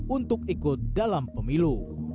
untuk ikut dalam pemilu